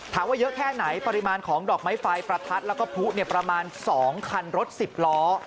เยอะแค่ไหนปริมาณของดอกไม้ไฟประทัดแล้วก็ผู้ประมาณ๒คันรถ๑๐ล้อ